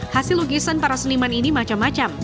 hasil lukisan para seniman ini macam macam